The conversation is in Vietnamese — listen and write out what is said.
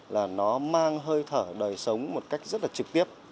là nó mang hơi thở đời sống một cách rất là trực tiếp